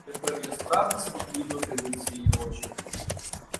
Тепер я справді спокійно дивився їй в очі.